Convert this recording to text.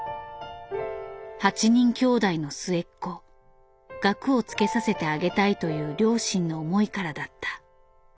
８人きょうだいの末っ子学をつけさせてあげたいという両親の思いからだった。